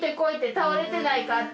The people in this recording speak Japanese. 倒れてないかって。